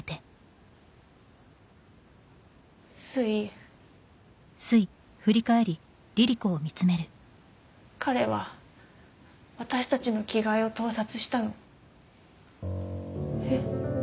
すい彼は私たちの着替えを盗撮したのえっ？